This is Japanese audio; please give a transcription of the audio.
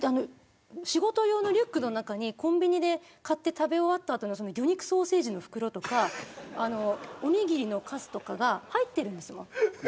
仕事用のリュックの中にコンビニで買って食べ終わった後の魚肉ソーセージの袋とかおにぎりのカスとかが入っているんですよ